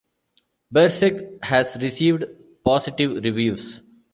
Bersirc has received positive reviews.